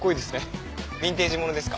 ビンテージものですか？